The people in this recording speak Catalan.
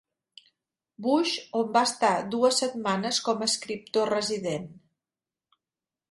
Bush, on va estar dues setmanes com a escriptor resident.